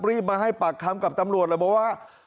รีบมาให้ปากคำกับตำรวจเลยบอกว่า